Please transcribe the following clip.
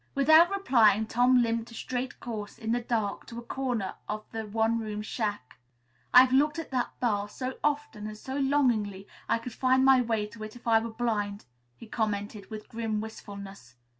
Without replying, Tom limped a straight course in the dark to a corner of the one room shack. "I've looked at that bar so often and so longingly I could find my way to it if I were blind," he commented with grim wistfulness.